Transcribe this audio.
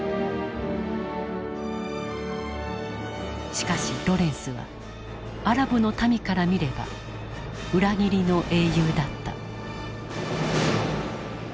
しかしロレンスはアラブの民から見れば裏切りの英雄だった。